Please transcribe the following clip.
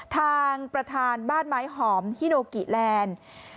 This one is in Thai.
ทางประธานบ้านไม้หอมฮิโนกิแลนด์